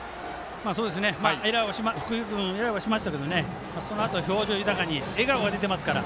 エラーはしましたけどそのあと、表情豊かに笑顔が出ていますから。